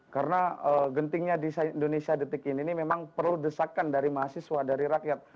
karena gentingnya indonesia detik ini memang perlu desakan dari mahasiswa dari rakyat